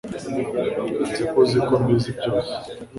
nzi ko uzi ko mbizi byose